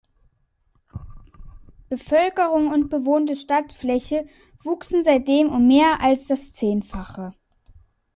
Bevölkerung und bewohnte Stadtfläche wuchsen seitdem um mehr als das Zehnfache.